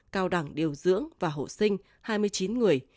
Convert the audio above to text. cao đẳng điều dưỡng và hộ sinh hai mươi chín người